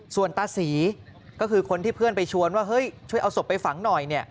ส่วนตาศรีก็คือคนที่เพื่อนไปชวนว่าเฮ้ยช่วยเอาศพไปฝังหน่อย